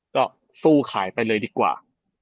ก็สู้ขายไปเลยดีกว่า